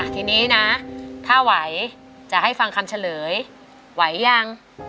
ทีนี้นะถ้าไหวจะให้ฟังคำเฉลยไหวยัง